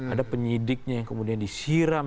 ada penyidiknya yang kemudian disiram